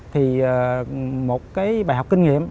thì một bài học kinh nghiệm